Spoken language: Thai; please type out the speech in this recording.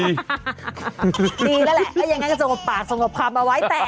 ดีก็แล้วอย่างนั้นก็สงบกับปากสงบกับคำมาไว้